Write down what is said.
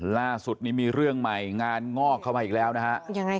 ล่าสุดนี้มีเรื่องใหม่งานงอกเข้ามาอีกแล้วนะฮะ